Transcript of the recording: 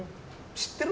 知ってる？